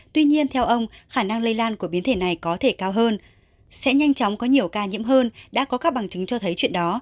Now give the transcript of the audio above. tuy nhiên theo ông khả năng lây lan của biến thể này có thể cao hơn sẽ nhanh chóng có nhiều ca nhiễm hơn đã có các bằng chứng cho thấy chuyện đó